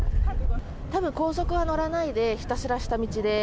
たぶん、校則は乗らないで、ひたすら下道で。